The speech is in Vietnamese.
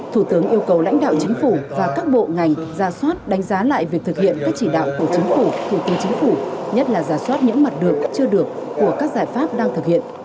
thủ tướng yêu cầu lãnh đạo chính phủ và các bộ ngành ra soát đánh giá lại việc thực hiện các chỉ đạo của chính phủ thủ tư chính phủ nhất là giả soát những mặt được chưa được của các giải pháp đang thực hiện